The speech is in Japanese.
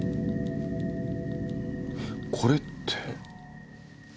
これって。